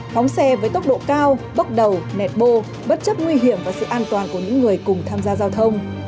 phóng xe với tốc độ cao bốc đầu nẹt bô bất chấp nguy hiểm và sự an toàn của những người cùng tham gia giao thông